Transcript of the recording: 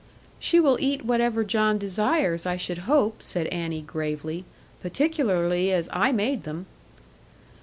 'She will eat whatever John desires, I should hope,' said Annie gravely; 'particularly as I made them.'